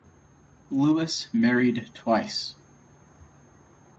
Louis married twice.